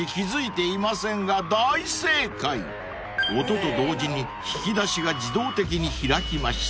［音と同時に引き出しが自動的に開きました］